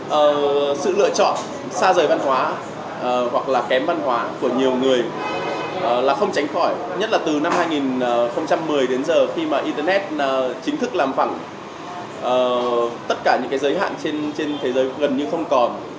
và sự lựa chọn xa rời văn hóa hoặc là kém văn hóa của nhiều người là không tránh khỏi nhất là từ năm hai nghìn một mươi đến giờ khi mà internet chính thức làm phẳng tất cả những cái giới hạn trên thế giới gần như không còn